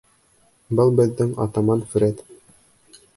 Был беҙҙең атаман Фред.